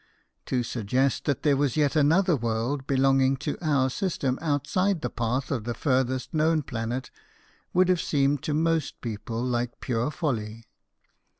To suggest that there was yet another world belonging to our system outside the path of the furthest known planet would have seemed to most people like pure folly.